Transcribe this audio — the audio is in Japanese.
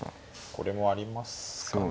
これもありますかね